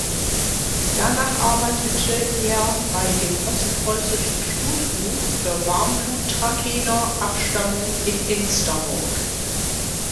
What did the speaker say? Danach arbeitete er bei dem Ostpreußischen Stutbuch für Warmblut Trakehner Abstammung in Insterburg.